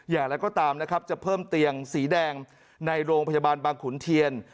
อย่างไรก็ตามนะครับจะเพิ่มเตียงสีแดงในโรงพยาบาลบางขุนเทียน